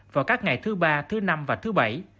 vào các ngày thứ ba thứ năm và thứ bảy